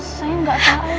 saya gak tau